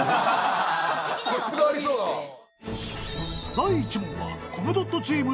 ［第１問は］